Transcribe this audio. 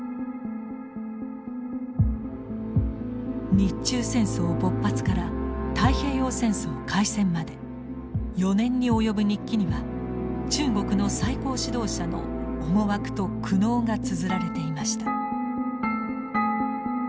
日中戦争勃発から太平洋戦争開戦まで４年におよぶ日記には中国の最高指導者の思惑と苦悩がつづられていました。